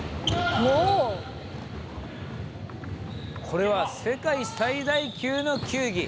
これは世界最大級の球技。